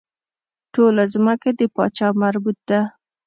ټوله ځمکه د پاچا مربوط ده.